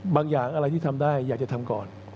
อย่างอะไรที่ทำได้อยากจะทำก่อน